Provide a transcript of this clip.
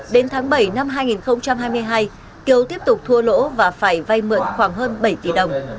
đến tháng bảy năm hai nghìn hai mươi hai kiều tiếp tục thua lỗ và phải vay mượn khoảng hơn bảy tỷ đồng